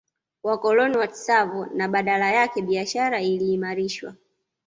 Wakoloni wa Tsavo na badala yake biashara iliimarishwa